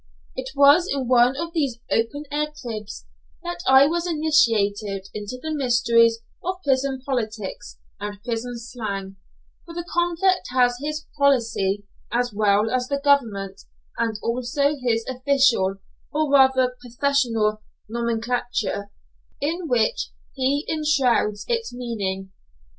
It was in one of these open air cribs that I was initiated into the mysteries of prison politics and prison slang, for the convict has his "policy" as well as the government, and also his official, or rather professional nomenclature, in which he enshrouds its meaning.